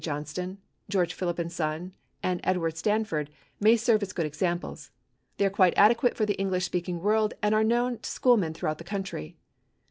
Johnston, George Philip & Son, and Edward Stanford may serve as good examples. They are quite adequate for the English speaking world and are known to schoolmen throughout this country.